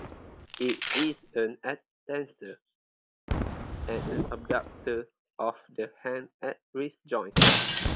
It is an extensor, and an abductor of the hand at the wrist joint.